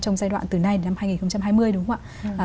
trong giai đoạn từ nay đến năm hai nghìn hai mươi